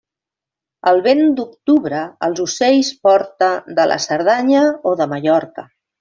El vent d'octubre els ocells porta, de la Cerdanya o de Mallorca.